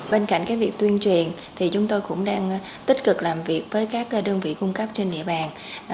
bên cạnh việc tuyên truyền thì chúng tôi cũng đang tích cực làm việc với các đơn vị cung cấp trên địa bàn